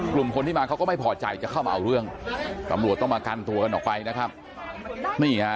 กลุ่มคนที่มาเขาก็ไม่พอใจจะเข้ามาเอาเรื่องตำรวจต้องมากันตัวกันออกไปนะครับนี่ฮะ